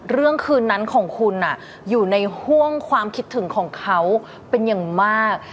คืนนั้นของคุณอยู่ในห่วงความคิดถึงของเขาเป็นอย่างมาก